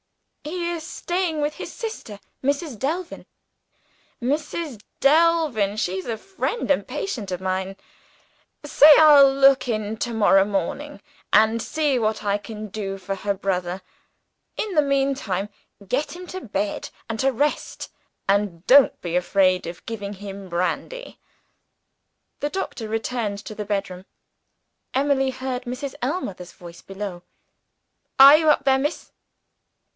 "He is staying with his sister Mrs. Delvin." "Mrs. Delvin! she's a friend and patient of mine. Say I'll look in to morrow morning, and see what I can do for her brother. In the meantime, get him to bed, and to rest; and don't be afraid of giving him brandy." The doctor returned to the bedroom. Emily heard Mrs. Ellmother's voice below. "Are you up there, miss?"